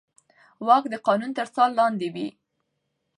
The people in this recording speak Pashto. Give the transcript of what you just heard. واک د قانون تر څار لاندې وي.